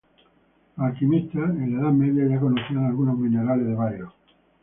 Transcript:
Los alquimistas en la Edad Media ya conocían algunos minerales de bario.